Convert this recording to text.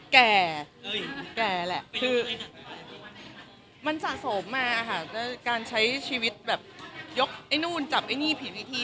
แก่แก่แหละคือมันสะสมมาค่ะด้วยการใช้ชีวิตแบบยกไอ้นู่นจับไอ้นี่ผิดวิธี